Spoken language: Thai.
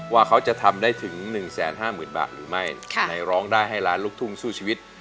ว่าเขาจะทำได้ถึงหนึ่งแสนห้าหมื่นบาทหรือไม่ค่ะในร้องได้ให้หลานลูกทุ่งสู้ชีวิต